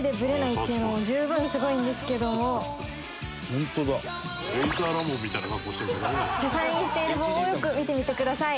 「ホントだ」「レイザーラモンみたいな格好してる」「支えにしている棒をよく見てみてください」